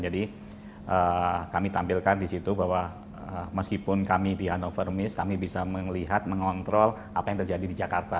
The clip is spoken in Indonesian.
jadi kami tampilkan disitu bahwa meskipun kami di anak forumis kami bisa melihat mengontrol apa yang terjadi di jakarta